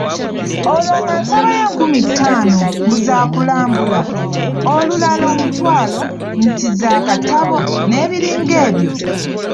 Olwo ng'asabayo enkumi ttaano, mbu za kulambula, olulala mutwalo, nti za katabo n'ebiringa ebyo.